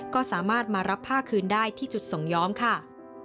ก็สามารถมารับผ้าคืนได้ที่จุดส่งย้อมค่ะ